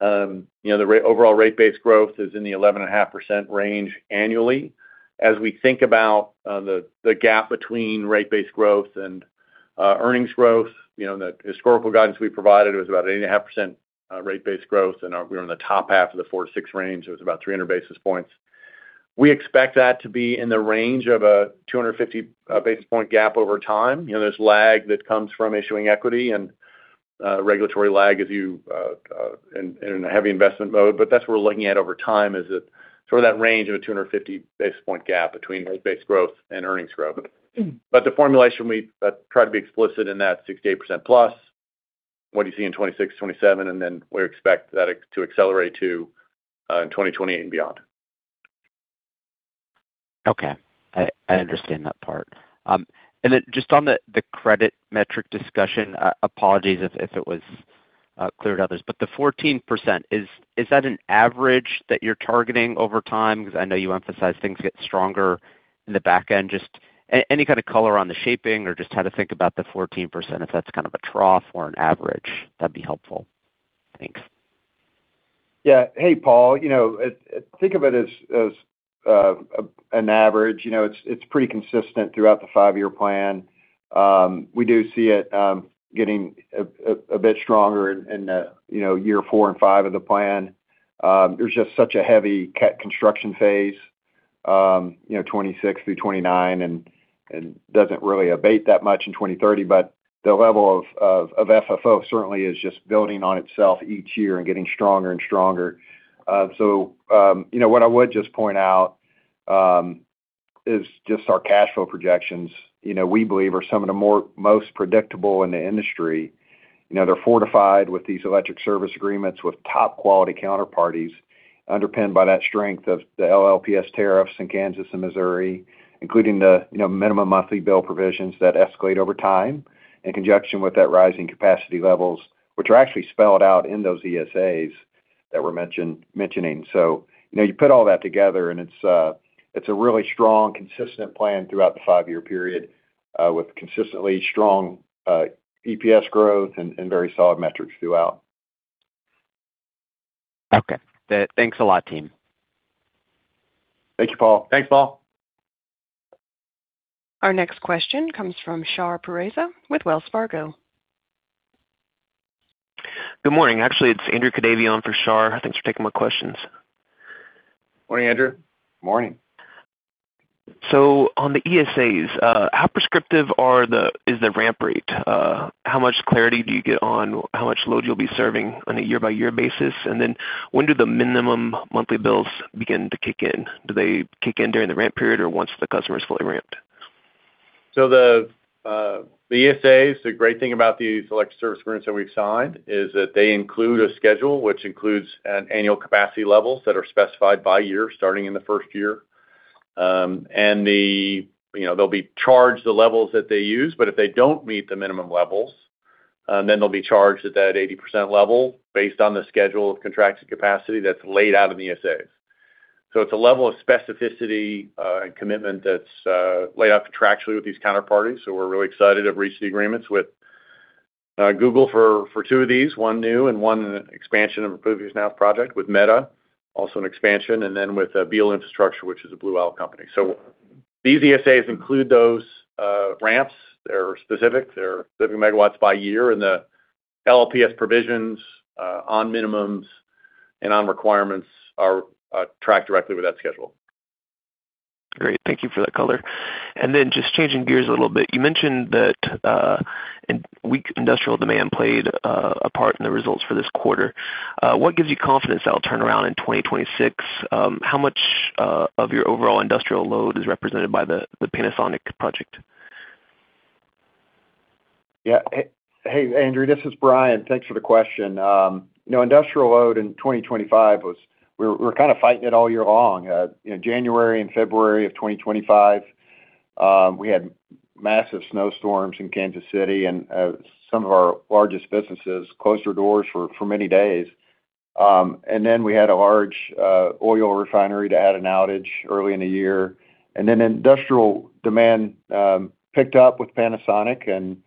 You know, the overall rate base growth is in the 11.5% range annually. As we think about the gap between rate base growth and earnings growth, you know, the historical guidance we provided was about 8.5% rate base growth, and we're in the top half of the 4-6 range, it was about 300 basis points. We expect that to be in the range of a 250 basis point gap over time. You know, there's lag that comes from issuing equity and regulatory lag as you in a heavy investment mode, but that's what we're looking at over time, is it sort of that range of a 250 basis point gap between rate base growth and earnings growth. But the formulation, we try to be explicit in that 6%-8%+, what you see in 2026, 2027, and then we expect that to accelerate to in 2028 and beyond. Okay. I, I understand that part. And then just on the, the credit metric discussion, apologies if, if it was clear to others, but the 14%, is, is that an average that you're targeting over time? Because I know you emphasize things get stronger in the back end. Just any kind of color on the shaping or just how to think about the 14%, if that's kind of a trough or an average, that'd be helpful. Thanks. Yeah. Hey, Paul, you know, think of it as an average. You know, it's pretty consistent throughout the five-year plan. We do see it getting a bit stronger in the, you know, year four and five of the plan. There's just such a heavy construction phase, you know, 2026 through 2029, and doesn't really abate that much in 2030, but the level of FFO certainly is just building on itself each year and getting stronger and stronger. So, you know, what I would just point out is just our cash flow projections. You know, we believe are some of the most predictable in the industry. You know, they're fortified with these electric service agreements, with top-quality counterparties, underpinned by that strength of the LLPS tariffs in Kansas and Missouri, including the, you know, minimum monthly bill provisions that escalate over time, in conjunction with that rising capacity levels, which are actually spelled out in those ESAs that were mentioned. So, you know, you put all that together, and it's a really strong, consistent plan throughout the five-year period, with consistently strong EPS growth and, and very solid metrics throughout. Okay. Thanks a lot, team. Thank you, Paul. Thanks, Paul. Our next question comes from Shar Pourreza with Wells Fargo. Good morning. Actually, it's Andrew Kadavian for Shar. Thanks for taking my questions. Morning, Andrew. Morning. So on the ESAs, how prescriptive is the ramp rate? How much clarity do you get on how much load you'll be serving on a year-by-year basis? And then when do the minimum monthly bills begin to kick in? Do they kick in during the ramp period or once the customer is fully ramped? So the ESAs, the great thing about these electric service agreements that we've signed, is that they include a schedule, which includes an annual capacity levels that are specified by year, starting in the first year. And the, you know, they'll be charged the levels that they use, but if they don't meet the minimum levels, then they'll be charged at that 80% level, based on the schedule of contracted capacity that's laid out in the ESAs. So it's a level of specificity and commitment that's laid out contractually with these counterparties. So we're really excited to have reached the agreements with Google for two of these, one new and one expansion of a previous now project. With Meta, also an expansion, and then with Beale Infrastructure, which is a Blue Owl company. So these ESAs include those ramps. They're specific, they're living megawatts by year, and the LLPS provisions on minimums and on requirements are tracked directly with that schedule. Great. Thank you for that color. And then just changing gears a little bit, you mentioned that weak industrial demand played a part in the results for this quarter. What gives you confidence that'll turn around in 2026? How much of your overall industrial load is represented by the Panasonic project? Yeah. Hey, Andrew, this is Bryan. Thanks for the question. You know, industrial load in 2025 was—we were kind of fighting it all year long. You know, January and February of 2025, we had massive snowstorms in Kansas City, and some of our largest businesses closed their doors for many days. And then we had a large oil refinery that had an outage early in the year. And then industrial demand picked up with Panasonic.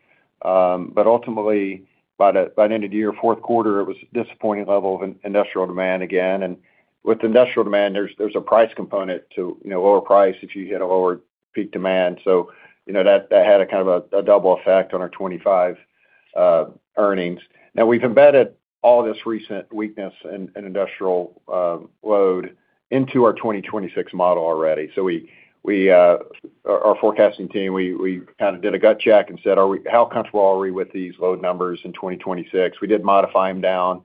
But ultimately, by the end of the year, fourth quarter, it was a disappointing level of industrial demand again. And with industrial demand, there's a price component to, you know, lower price if you hit a lower peak demand. So, you know, that had a kind of a double effect on our 2025 earnings. Now, we've embedded all this recent weakness in industrial load into our 2026 model already. So our forecasting team kind of did a gut check and said: How comfortable are we with these load numbers in 2026? We did modify them down,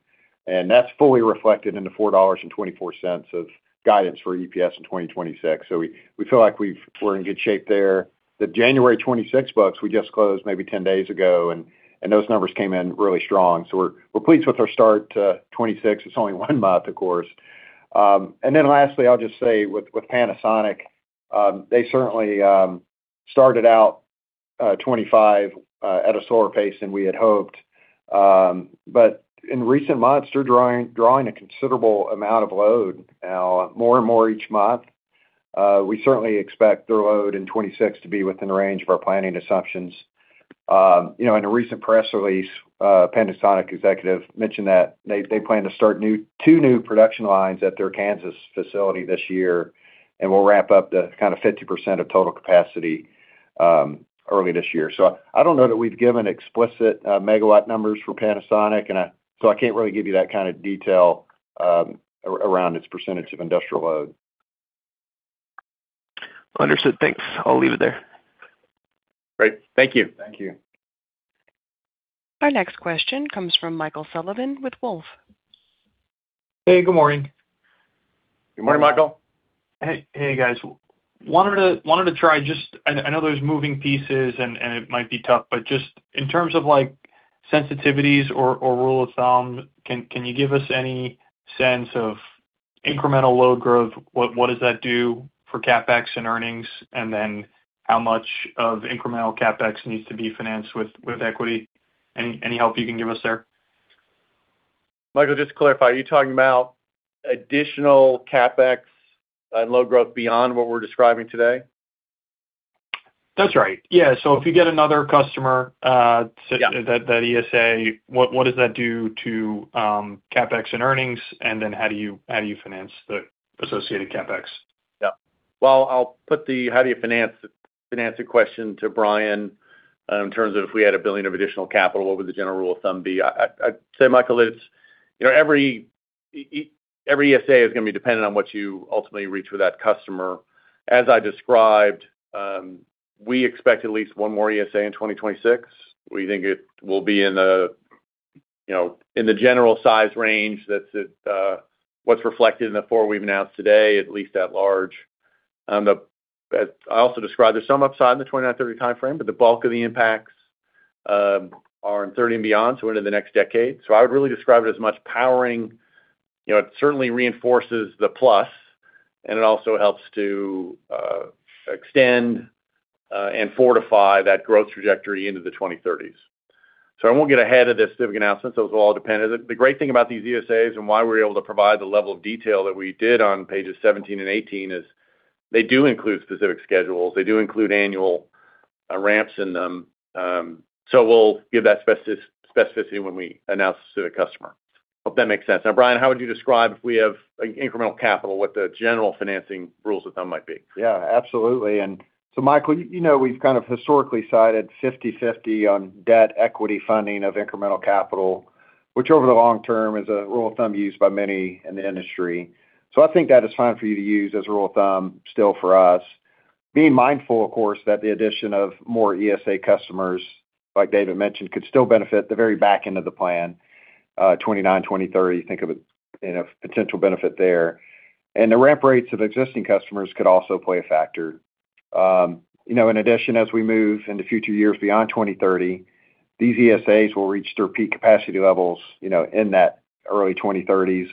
and that's fully reflected in the $4.24 of guidance for EPS in 2026. So we feel like we're in good shape there. The January 2026 books, we just closed maybe 10 days ago, and those numbers came in really strong. So we're pleased with our start to 2026. It's only one month, of course. And then lastly, I'll just say with Panasonic, they certainly started out in 2025 at a slower pace than we had hoped. But in recent months, they're drawing a considerable amount of load now, more and more each month. We certainly expect their load in 2026 to be within the range of our planning assumptions. You know, in a recent press release, a Panasonic executive mentioned that they plan to start 2 new production lines at their Kansas facility this year, and we'll wrap up the kind of 50% of total capacity early this year. So I don't know that we've given explicit megawatt numbers for Panasonic, and so I can't really give you that kind of detail around its percentage of industrial load. Understood. Thanks. I'll leave it there. Great. Thank you. Thank you. Our next question comes from Michael Sullivan with Wolfe. Hey, good morning. Good morning, Michael. Hey, guys. Wanted to try just—I know there's moving pieces, and it might be tough, but just in terms of, like, sensitivities or rule of thumb, can you give us any sense of incremental load growth? What does that do for CapEx and earnings? And then how much of incremental CapEx needs to be financed with equity? Any help you can give us there? Michael, just to clarify, are you talking about additional CapEx and load growth beyond what we're describing today? That's right. Yeah. So if you get another customer, Yeah... that ESA, what does that do to CapEx and earnings? And then how do you finance the associated CapEx? Yeah. Well, I'll put the how do you finance, finance the question to Bryan, in terms of if we had $1 billion of additional capital, what would the general rule of thumb be? I'd say, Michael, it's, you know, every ESA is going to be dependent on what you ultimately reach with that customer. As I described, we expect at least one more ESA in 2026. We think it will be in the, you know, in the general size range that's what's reflected in the 4 we've announced today, at least at large. I also described there's some upside in the 2030 timeframe, but the bulk of the impacts are in 2030 and beyond, so into the next decade. So I would really describe it as much powering. You know, it certainly reinforces the plus, and it also helps to extend and fortify that growth trajectory into the 2030s. So I won't get ahead of the specific announcements. Those will all depend. The great thing about these ESAs and why we're able to provide the level of detail that we did on pages 17 and 18 is they do include specific schedules, they do include annual ramps in them. So we'll give that specificity when we announce to the customer. Hope that makes sense. Now, Bryan, how would you describe, if we have incremental capital, what the general financing rules of thumb might be? Yeah, absolutely. And so, Michael, you know, we've kind of historically cited 50/50 on debt equity funding of incremental capital, which over the long term is a rule of thumb used by many in the industry. So I think that is fine for you to use as a rule of thumb still for us. Being mindful, of course, that the addition of more ESA customers, like David mentioned, could still benefit the very back end of the plan, 2029, 2030. Think of it in a potential benefit there. And the ramp rates of existing customers could also play a factor. You know, in addition, as we move in the future years beyond 2030, these ESAs will reach their peak capacity levels, you know, in that early 2030s,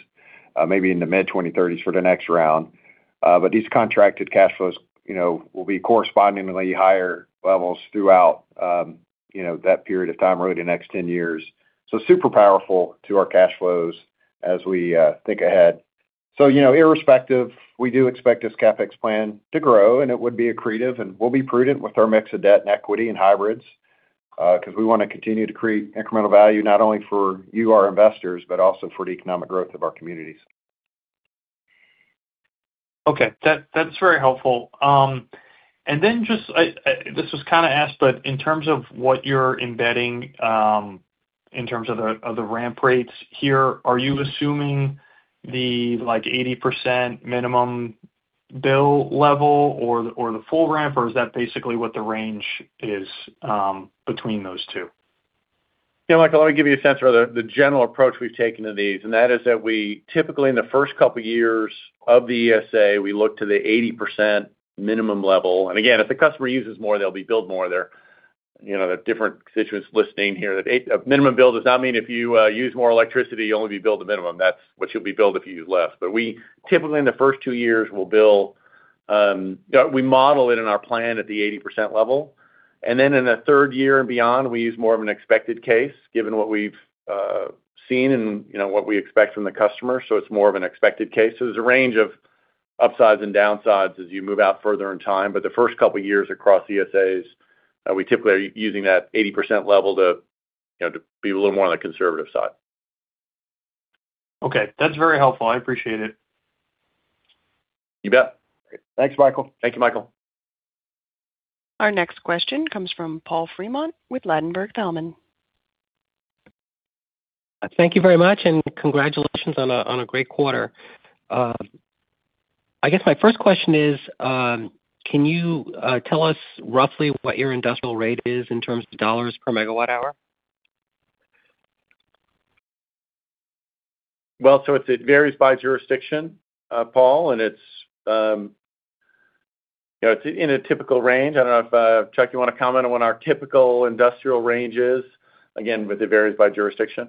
maybe in the mid-2030s for the next round. But these contracted cash flows, you know, will be correspondingly higher levels throughout, you know, that period of time, really the next 10 years. So super powerful to our cash flows as we think ahead. So, you know, irrespective, we do expect this CapEx plan to grow, and it would be accretive, and we'll be prudent with our mix of debt and equity and hybrids, because we want to continue to create incremental value, not only for you, our investors, but also for the economic growth of our communities. Okay, that's very helpful. And then just, this was kind of asked, but in terms of what you're embedding, in terms of the ramp rates here, are you assuming the, like, 80% minimum bill level or the full ramp, or is that basically what the range is, between those two? Yeah, Michael, let me give you a sense of the general approach we've taken to these, and that is that we typically, in the first couple of years of the ESA, we look to the 80% minimum level. And again, if the customer uses more, they'll be billed more. They're, you know, the different situations listing here. That a minimum bill does not mean if you use more electricity, you'll only be billed a minimum. That's what you'll be billed if you use less. But we typically, in the first two years, will bill. We model it in our plan at the 80% level, and then in the third year and beyond, we use more of an expected case, given what we've seen and, you know, what we expect from the customer, so it's more of an expected case. There's a range of upsides and downsides as you move out further in time. But the first couple of years across ESAs, we typically are using that 80% level to, you know, to be a little more on the conservative side. Okay, that's very helpful. I appreciate it. You bet. Thanks, Michael. Thank you, Michael. Our next question comes from Paul Fremont with Ladenburg Thalmann. Thank you very much, and congratulations on a great quarter. I guess my first question is, can you tell us roughly what your industrial rate is in terms of dollars per megawatt hour? Well, so it varies by jurisdiction, Paul, and it's, you know, it's in a typical range. I don't know if, Chuck, you want to comment on what our typical industrial range is. Again, but it varies by jurisdiction.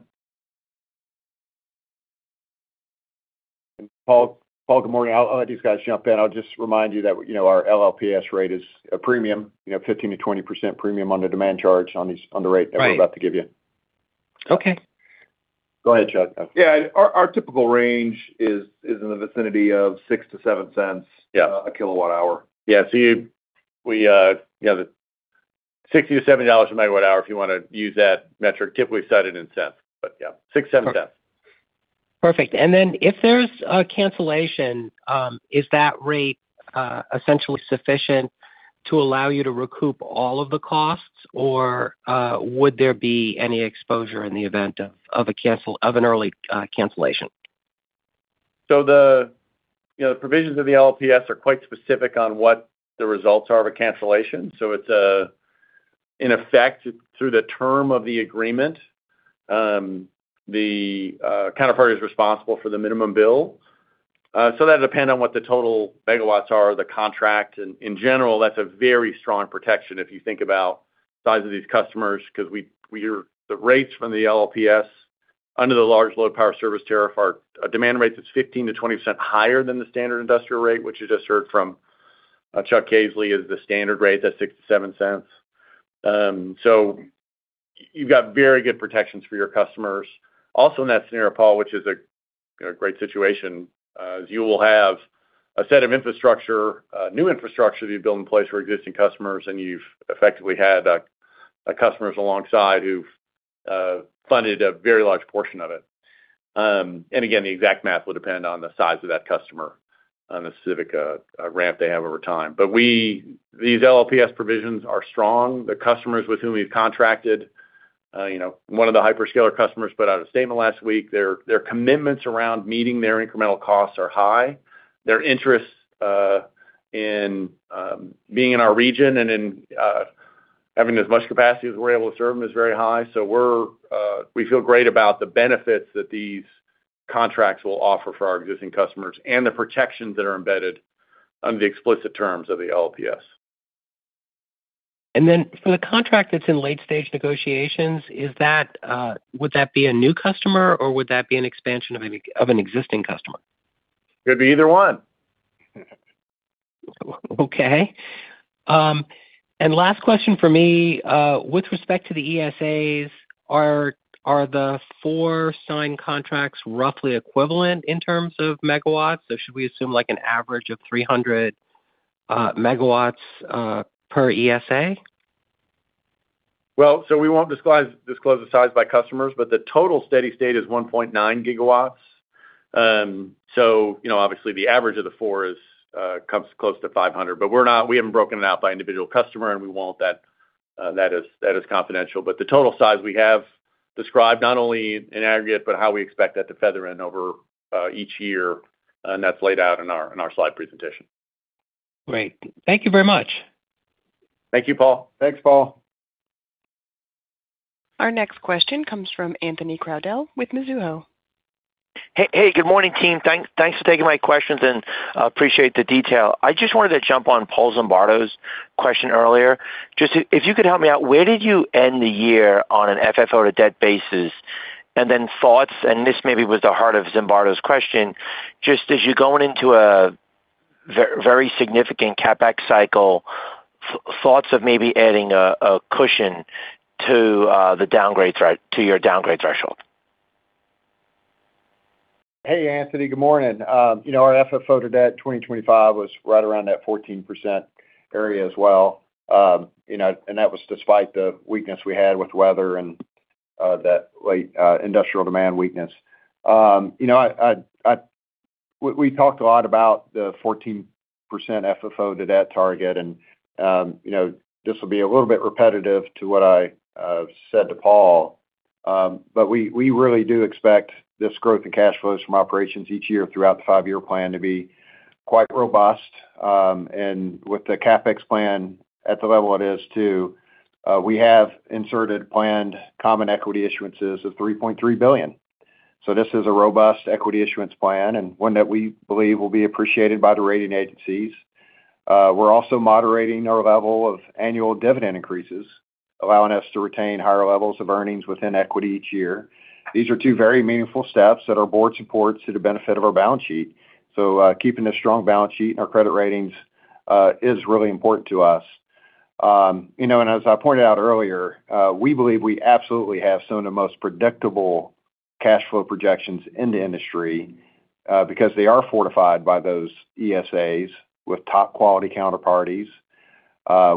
Paul, Paul, good morning. I'll let these guys jump in. I'll just remind you that, you know, our LLPS rate is a premium, you know, 15%-20% premium on the demand charge on these- on the rate- Right. that we're about to give you. Okay. Go ahead, Chuck. Yeah, our typical range is in the vicinity of 6-7 cents a kilowatt hour. Yeah, the $60-$70 a megawatt hour, if you want to use that metric. Typically, we cite it in cents, but yeah, 6-7 cents. Perfect. Then if there's a cancellation, is that rate essentially sufficient to allow you to recoup all of the costs, or would there be any exposure in the event of an early cancellation? So the, you know, provisions of the LLPS are quite specific on what the results are of a cancellation. So it's in effect, through the term of the agreement, the counterparty is responsible for the minimum bill. So that depends on what the total megawatts are, the contract. In general, that's a very strong protection if you think about the size of these customers, because the rates from the LLPS under the large load power service tariff are a demand rate that's 15%-20% higher than the standard industrial rate, which you just heard from Chuck Caisley, is the standard rate, that's $0.06-$0.07. So you've got very good protections for your customers. Also in that scenario, Paul, which is a, you know, great situation, is you will have a set of infrastructure, new infrastructure that you build in place for existing customers, and you've effectively had, you know, customers alongside who've funded a very large portion of it. Again, the exact math will depend on the size of that customer, on the specific ramp they have over time. But we-- these LLPS provisions are strong. The customers with whom we've contracted, you know, one of the hyperscaler customers put out a statement last week. Their commitments around meeting their incremental costs are high. Their interest, you know, in being in our region and in having as much capacity as we're able to serve them is very high. So we feel great about the benefits that these contracts will offer for our existing customers and the protections that are embedded on the explicit terms of the LLPS. Then for the contract that's in late-stage negotiations, would that be a new customer, or would that be an expansion of an existing customer? It could be either one. Okay. And last question for me, with respect to the ESAs, are the 4 signed contracts roughly equivalent in terms of megawatt? So should we assume, like, an average of 300 MW per ESA? Well, so we won't disclose the size by customers, but the total steady state is 1.9 GW. So you know, obviously, the average of the four is comes close to 500, but we're not—we haven't broken it out by individual customer, and we won't. That, that is confidential. But the total size we have described not only in aggregate, but how we expect that to feather in over each year, and that's laid out in our slide presentation. Great. Thank you very much. Thank you, Paul. Thanks, Paul. Our next question comes from Anthony Crowdell with Mizuho. Hey, hey, good morning, team. Thanks, thanks for taking my questions, and appreciate the detail. I just wanted to jump on Paul Zimbardo's question earlier. Just if you could help me out, where did you end the year on an FFO to debt basis? And then thoughts, and this maybe was the heart of Zimbardo's question: Just as you're going into a very significant CapEx cycle, thoughts of maybe adding a cushion to the downgrades right—to your downgrade threshold. Hey, Anthony, good morning. You know, our FFO to debt 2025 was right around that 14% area as well. You know, and that was despite the weakness we had with weather and that late industrial demand weakness. You know, we talked a lot about the 14% FFO to debt target, and you know, this will be a little bit repetitive to what I said to Paul. But we really do expect this growth in cash flows from operations each year throughout the five-year plan to be quite robust. And with the CapEx plan at the level it is too, we have inserted planned common equity issuances of $3.3 billion. So this is a robust equity issuance plan and one that we believe will be appreciated by the rating agencies. We're also moderating our level of annual dividend increases, allowing us to retain higher levels of earnings within equity each year. These are two very meaningful steps that our board supports to the benefit of our balance sheet. So, keeping a strong balance sheet and our credit ratings is really important to us. You know, and as I pointed out earlier, we believe we absolutely have some of the most predictable cash flow projections in the industry, because they are fortified by those ESAs with top-quality counterparties,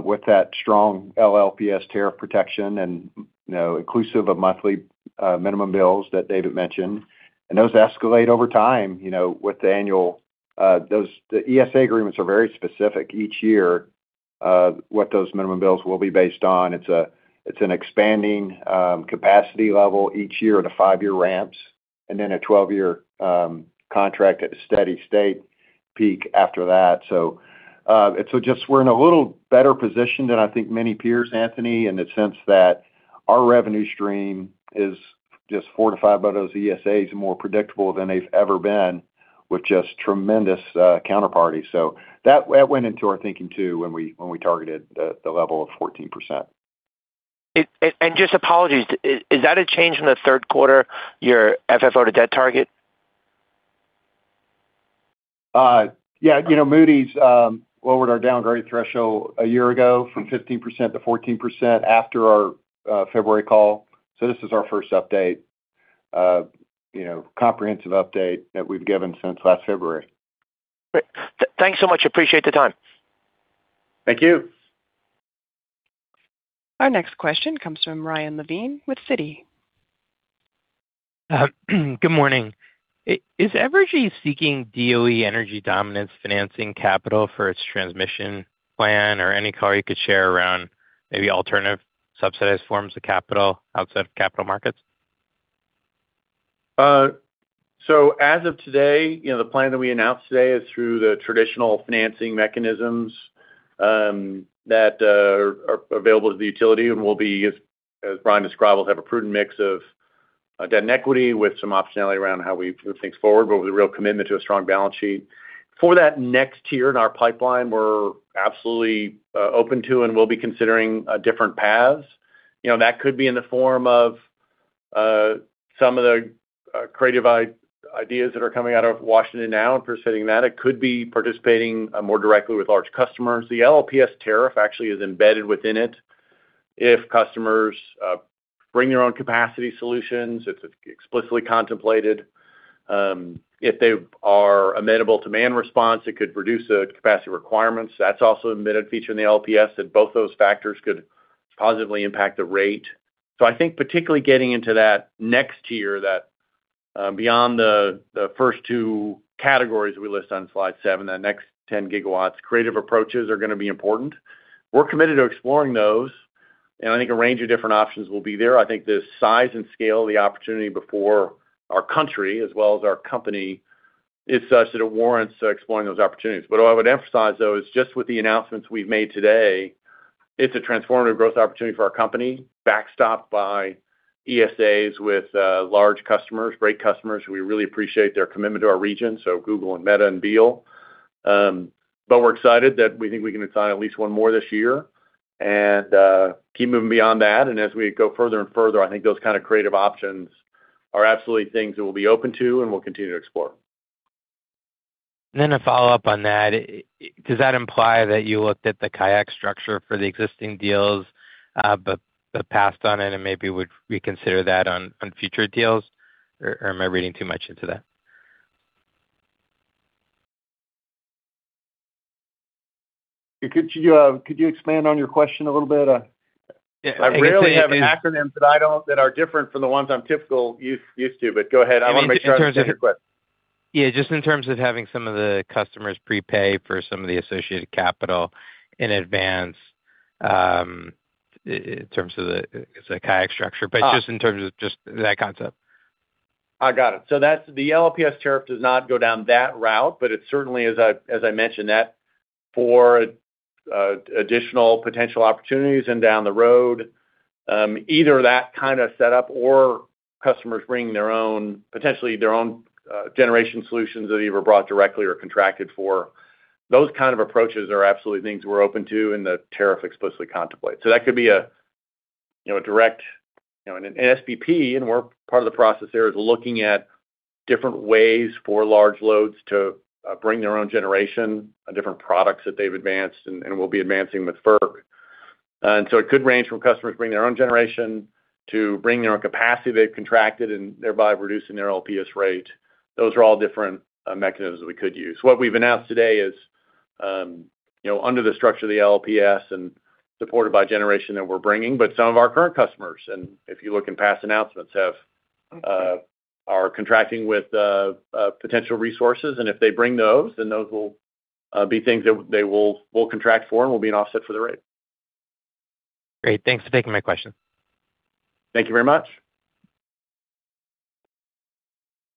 with that strong LLPS tariff protection and, you know, inclusive of monthly minimum bills that David mentioned. And those escalate over time, you know, with the annual... Those, the ESA agreements are very specific each year, what those minimum bills will be based on. It's an expanding capacity level each year in the five-year ramps, and then a 12-year contract at a steady state peak after that. So, and so just we're in a little better position than I think many peers, Anthony, in the sense that our revenue stream is just fortified by those ESAs and more predictable than they've ever been, with just tremendous counterparties. So that, that went into our thinking, too, when we, when we targeted the, the level of 14%. And just apologies, is that a change in the third quarter, your FFO to debt target? Yeah. You know, Moody's lowered our downgrade threshold a year ago from 15%-14% after our February call. So this is our first update, you know, comprehensive update that we've given since last February. Great. Thanks so much. Appreciate the time. Thank you. Our next question comes from Ryan Levine with Citi. Good morning. Is Evergy seeking DOE energy dominance financing capital for its transmission plan, or any color you could share around maybe alternative subsidized forms of capital outside of capital markets? So as of today, you know, the plan that we announced today is through the traditional financing mechanisms that are available to the utility and will be, as Bryan described, we'll have a prudent mix of debt and equity, with some optionality around how we move things forward, but with a real commitment to a strong balance sheet. For that next tier in our pipeline, we're absolutely open to and will be considering different paths. You know, that could be in the form of some of the creative ideas that are coming out of Washington now, and pursuing that. It could be participating more directly with large customers. The LLPS tariff actually is embedded within it. If customers bring their own capacity solutions, it's explicitly contemplated. If they are amenable to demand response, it could reduce the capacity requirements. That's also an admitted feature in the LLPS, and both those factors could positively impact the rate. So I think particularly getting into that next tier, that, beyond the first two categories we list on Slide 7, that next 10 GW, creative approaches are going to be important. We're committed to exploring those, and I think a range of different options will be there. I think the size and scale of the opportunity before our country, as well as our company, is such that it warrants exploring those opportunities. But what I would emphasize, though, is just with the announcements we've made today, it's a transformative growth opportunity for our company, backstopped by ESAs with large customers, great customers, we really appreciate their commitment to our region, so Google and Meta and Beale. But we're excited that we think we can sign at least one more this year and keep moving beyond that. And as we go further and further, I think those kind of creative options are absolutely things that we'll be open to and we'll continue to explore. Then a follow-up on that. Does that imply that you looked at the CIAC structure for the existing deals, but passed on it and maybe would reconsider that on future deals? Or am I reading too much into that? Could you, could you expand on your question a little bit? I rarely have acronyms that are different from the ones I'm typically used to, but go ahead. I want to make sure I understand your question. Yeah, just in terms of having some of the customers prepay for some of the associated capital in advance, in terms of the take-or-pay structure, but just in terms of just that concept. I got it. So that's the LLPS tariff does not go down that route, but it certainly, as I mentioned, that for additional potential opportunities and down the road, either that kind of setup or customers bringing their own potentially their own generation solutions that either brought directly or contracted for, those kind of approaches are absolutely things we're open to and the tariff explicitly contemplates. So that could be a you know a direct. You know, in an SPP, and we're part of the process there is looking at different ways for large loads to bring their own generation, different products that they've advanced and will be advancing with FERC. And so it could range from customers bringing their own generation, to bringing their own capacity they've contracted and thereby reducing their LLPS rate. Those are all different mechanisms that we could use. What we've announced today is, you know, under the structure of the LLPS and supported by generation that we're bringing, but some of our current customers, and if you look in past announcements, are contracting with potential resources, and if they bring those, then those will be things that they will--we'll contract for and will be an offset for the rate. Great. Thanks for taking my question. Thank you very much.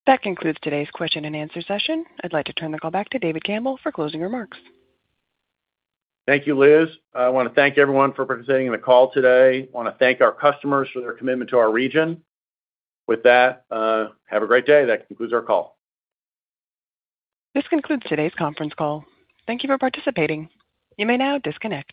That concludes today's question and answer session. I'd like to turn the call back to David Campbell for closing remarks. Thank you, Liz. I want to thank everyone for participating in the call today. I want to thank our customers for their commitment to our region. With that, have a great day. That concludes our call. This concludes today's conference call. Thank you for participating. You may now disconnect.